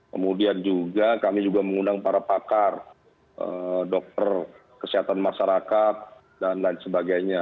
kemudian juga kami juga mengundang para pakar dokter kesehatan masyarakat dan lain sebagainya